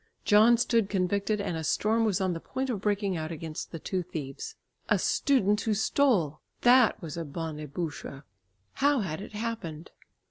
John stood convicted and a storm was on the point of breaking out against the two thieves. A student who stole! That was a bonne bouche. How had it happened?